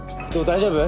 大丈夫？